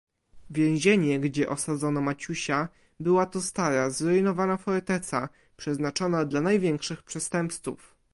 "Więzienie, gdzie osadzono Maciusia, była to stara, zrujnowana forteca, przeznaczona dla największych przestępców."